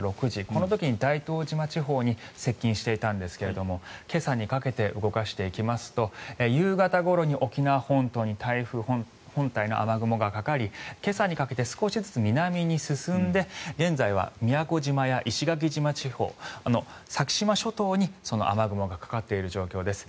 この時に大東島地方に接近していたんですけれども今朝にかけて動かしていきますと夕方ごろに沖縄本島に台風本体の雨雲がかかり今朝にかけて少しずつ南に進んで現在は宮古島や石垣島地方先島諸島に雨雲がかかっている状況です。